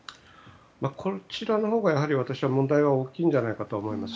こちらのほうが私は問題が大きいんじゃないかと思います。